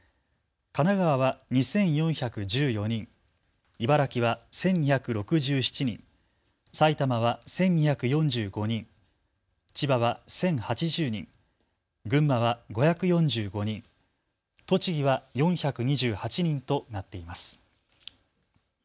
神奈川は２４１４人、茨城は１２６７人、埼玉は１２４５人、千葉は１０８０人、群馬は５４５人、栃木は４２８人となっています。